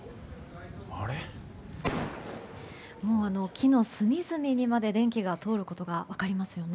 木の隅々にまで電気が通ることが分かりますよね。